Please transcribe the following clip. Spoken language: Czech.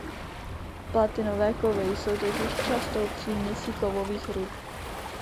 Platinové kovy jsou totiž častou příměsí kovových rud.